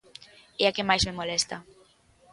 E a que máis me molesta.